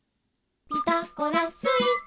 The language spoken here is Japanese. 「ピタゴラスイッチ」